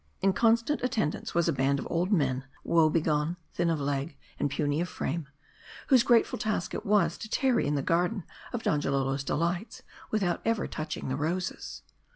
In constant attendance, was a band of old men ; woe begone, thin of leg, and puny of frame ; whose grateful task it was, to tarry in the garden of Donjalolo's delights, without ever touching the roses.